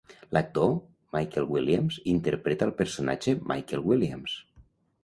L'actor Michael Williams interpreta el personatge Michael Williams.